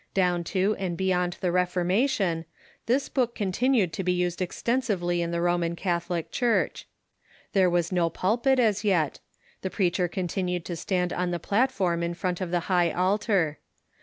Down to and beyond the Reformation, this book continued to be used extensively in the Roman Catholic Church. There was no pulpit as yet. The preacher continued to stand on the platform in front of the high altar.